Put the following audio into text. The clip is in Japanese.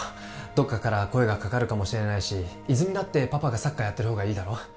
どっかから声がかかるかもしれないし泉実だってパパがサッカーやってる方がいいだろ？